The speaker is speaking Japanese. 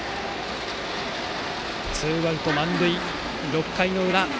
ツーアウト満塁、６回の裏。